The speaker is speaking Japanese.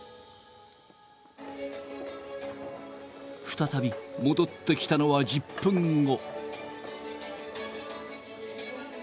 再び戻ってきたのは１０分後。